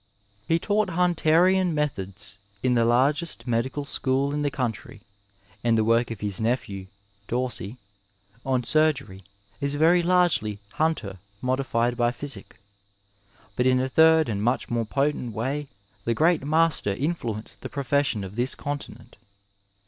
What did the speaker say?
He taught Hunterian methods in the largest medical school in the country, and the work of his nephew (Dorsey) on Surgery is very largely Hunter modified by Physick. But in a third and much more potent way the great master influenced the profession of this continent.